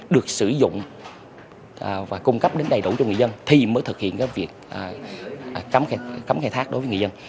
được sử dụng và cung cấp đến đầy đủ cho người dân thì mới thực hiện việc cấm khai thác đối với người dân